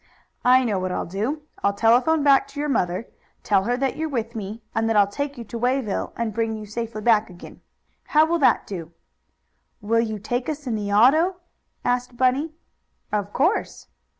"I know what I'll do. I'll telephone back to your mother, tell her that you're with me, and that I'll take you to Wayville, and bring you safely back again. How will that do?" "Will you take us in the auto?" asked Bunny. "Of course."